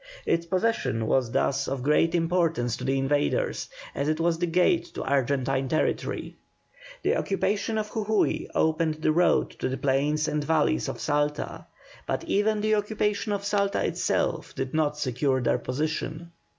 Its possession was thus of great importance to the invaders, as it was the gate to Argentine territory. The occupation of Jujui opened the road to the plains and valleys of Salta, but even the occupation of Salta itself did not secure their position.